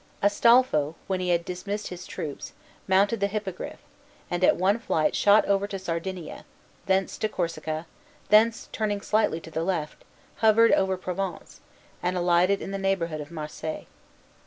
Astolpho, when he had dismissed his troops, mounted the Hippogriff, and at one flight shot over to Sardinia, thence to Corsica, thence, turning slightly to the left, hovered over Provence, and alighted in the neighborhood of Marseilles.